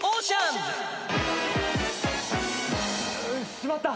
しまった。